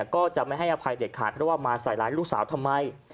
ก็จะไม่ให้อภัยเด็ดขาดเพราะว่ามาใส่ร้ายลูกสาวทำไม